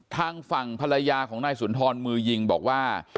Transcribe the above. ทางฝั่งภรรยาของนายสุนทรมือยิงบอกว่า